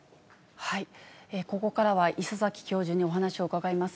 ここからは、礒崎教授にお話を伺います。